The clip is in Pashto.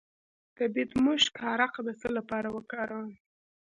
د بیدمشک عرق د څه لپاره وکاروم؟